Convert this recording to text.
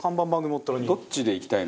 どっちでいきたいのかが。